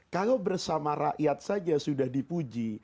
kalau bersama rakyat saja sudah dipuji